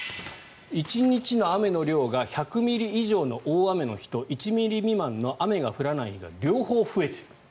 １日の雨の量が１００ミリ以上の大雨の日と１ミリ未満の雨が降らない日が両方増えている。